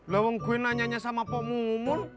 lawang gue nanyanya sama pemungun